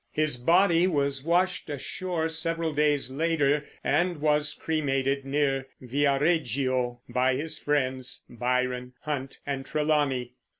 His body was washed ashore several days later, and was cremated, near Viareggio, by his friends, Byron, Hunt, and Trelawney.